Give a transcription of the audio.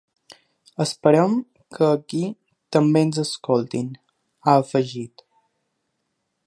Esperem que aquí també ens escoltin, ha afegit.